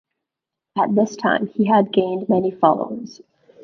At this time he had gained many followers.